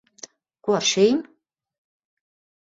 Ko ar šīm?